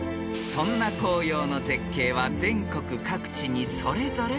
［そんな紅葉の絶景は全国各地にそれぞれ存在しています］